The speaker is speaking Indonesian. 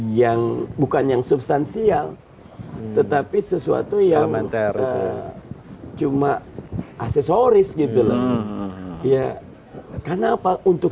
yang bukan yang substansial tetapi sesuatu yang antara cuma aksesoris gitu loh ya karena apa untuk